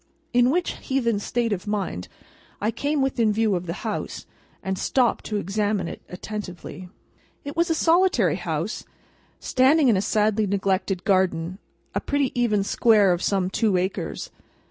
In which heathen state of mind, I came within view of the house, and stopped to examine it attentively. It was a solitary house, standing in a sadly neglected garden: a pretty even square of some two acres.